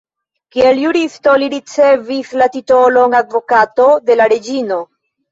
Kiel juristo li ricevis la titolon Advokato de la Reĝino.